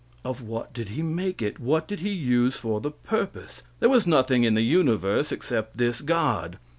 Of what did He make it? What did He use for the purpose? There was nothing in the universe except this God.